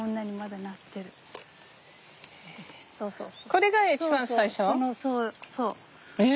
これが一番最初？え！